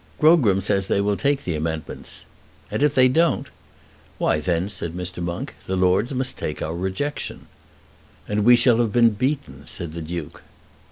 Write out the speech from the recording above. "Grogram says they will take the amendments." "And if they don't?" "Why then," said Mr. Monk, "the Lords must take our rejection." "And we shall have been beaten," said the Duke.